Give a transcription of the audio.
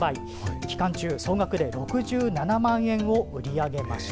期間中、総額で６７万円を売り上げました。